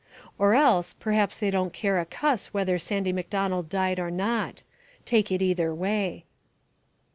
Or else, perhaps they don't care a cuss whether Sandy MacDonald died or not. Take it either way.